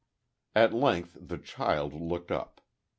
At length the child looked up.